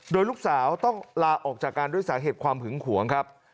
โดยลูกสาวต้องลาออกจากการด้วยสาเหตุความหึงหวงครับ